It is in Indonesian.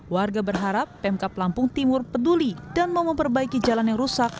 warga berharap pemkap lampung timur peduli dan mau memperbaiki jalan yang rusak